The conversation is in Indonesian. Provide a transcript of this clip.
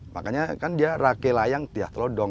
makanya kan dia rake layang dia telodong